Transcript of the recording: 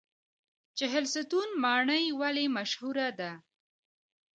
چهلستون ماڼۍ ولې مشهوره ده؟